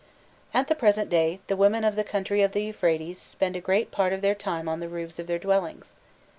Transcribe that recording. At the present day the women of the country of the Euphrates spend a great part of their time on the roofs of their dwellings.